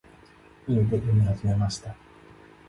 家で読み始めました。